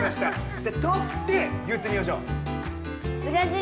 じゃあとって言ってみましょう。